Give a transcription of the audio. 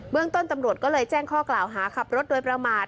เมืองต้นตำรวจก็เลยแจ้งข้อกล่าวหาขับรถโดยประมาท